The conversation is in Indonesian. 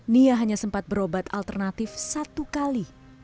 nia hanya sempat berobat alternatif satu kali